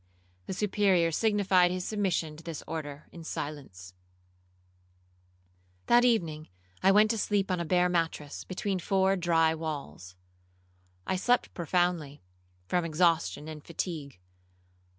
The Superior signified his submission to this order in silence. 'That evening I went to sleep on a bare mattress, between four dry walls. I slept profoundly, from exhaustion and fatigue.